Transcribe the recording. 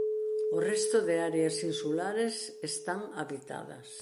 O resto de áreas insulares están habitadas.